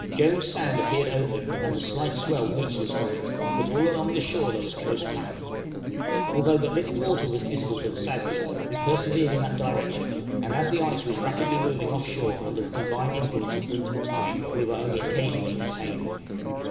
Jones' Sound appeared open, and a slight swell reached us from it, but all along the shore there was close pack. Although but little water was visible to the southward, we persevered in that direction, and, as the ice was rapidly moving off shore under the combined influence of wind and tide, we were only occasionally detained.